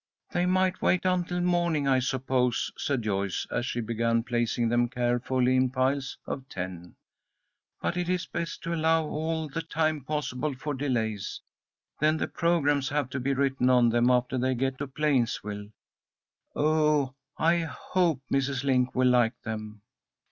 "They might wait until morning, I suppose," said Joyce, as she began placing them carefully in piles of ten. "But it is best to allow all the time possible for delays. Then the programmes have to be written on them after they get to Plainsville. Oh, I hope Mrs. Link will like them!"